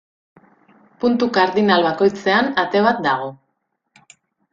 Puntu kardinal bakoitzean ate bat dago.